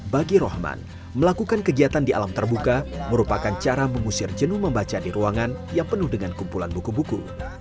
bagi rohman melakukan kegiatan di alam terbuka merupakan cara mengusir jenuh membaca di ruangan yang penuh dengan kumpulan buku buku